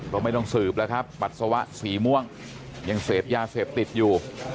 ก็ไม่ต้องสืบแล้วครับปัสสาวะสีม่วงยังเสพยาเสพติดอยู่